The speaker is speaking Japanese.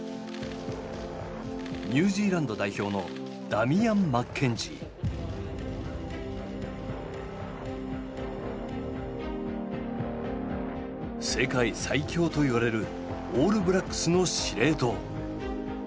ニュージーランド代表の世界最強といわれるオールブラックスの司令塔。